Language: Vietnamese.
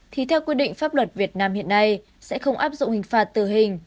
thì theo quy định pháp luật việt nam hiện nay sẽ không áp dụng hình phạt tử hình